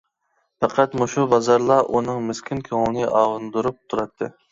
پەقەت مۇشۇ بازارلا ئۇنىڭ مىسكىن كۆڭلىنى ئاۋۇندۇرۇپ تۇراتتى.